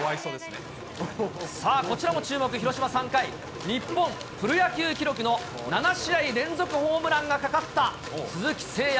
さあ、こちらも注目、広島３回、日本プロ野球記録の７試合連続ホームランがかかった鈴木誠也。